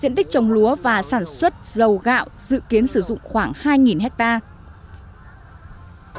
diện tích trồng lúa và sản xuất dầu gạo dự kiến sử dụng khoảng hai hectare